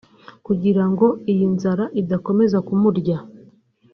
Kugira ngo iyi nzara idakomeza kumurya